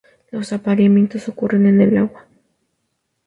Los apareamientos ocurren en el agua.